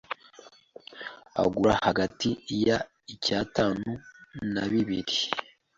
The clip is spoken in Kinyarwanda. agura hagati ya icyatanu na bibiri